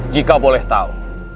jika boleh tahu